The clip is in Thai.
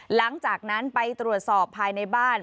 หลังจากนั้นไปตรวจสอบภายในบ้าน